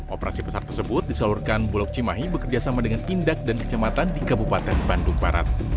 operasi besar tersebut disalurkan bulog cimahi bekerjasama dengan indak dan kecamatan di kabupaten bandung barat